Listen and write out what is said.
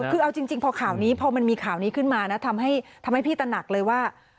คือเอาจริงพอข่าวนี้พอมันมีข่าวนี้ขึ้นมานะทำให้พี่ตนักเลยว่า